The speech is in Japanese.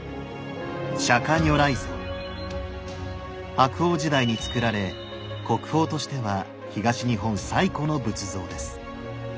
白鳳時代につくられ国宝としては東日本最古の仏像です。